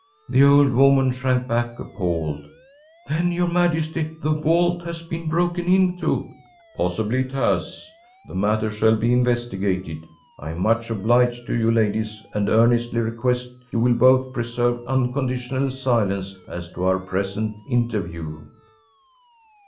The old woman shrank back appalled. “Then, your Majesty, the vault has been broken into!‚ÄĚ “Possibly it has. The matter shall be investigated. I am much obliged to you, ladies, and earnestly request you will both preserve unconditional silence as to our present interview.